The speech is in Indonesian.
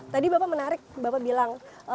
tadi bapak menarik bapak bilang